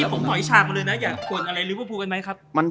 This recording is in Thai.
ถามมาเลยนะอยากบ่นอะไรหรือว่าพูดกันไหมครับ